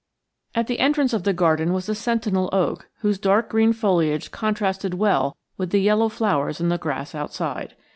At the entrance of the garden was a sentinel oak whose dark green foliage contrasted well with the yellow flowers in the grass outside.